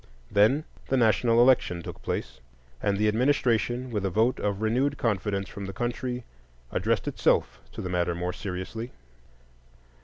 Then the national election took place; and the administration, with a vote of renewed confidence from the country, addressed itself to the matter more seriously.